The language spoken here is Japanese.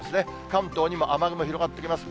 関東にも雨雲広がってきます。